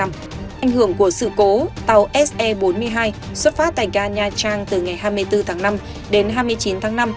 ảnh hưởng của sự cố tàu se bốn mươi hai xuất phát tại ga nha trang từ ngày hai mươi bốn tháng năm đến hai mươi chín tháng năm